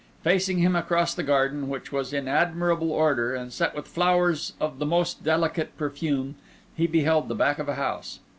Facing him across the garden, which was in admirable order, and set with flowers of the most delicious perfume, he beheld the back of a house.